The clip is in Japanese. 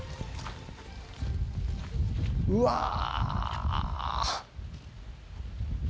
うわあ。